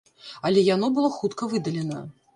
Але яно было хутка выдалена.